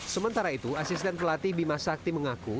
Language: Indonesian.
sementara itu asisten pelatih bima sakti mengaku